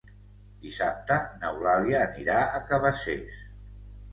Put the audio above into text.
Dissabte n'Eulàlia anirà a Cabacés.